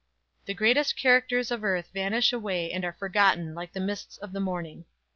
The greatest characters of earth vanish away and are forgotten like the mists of the morning.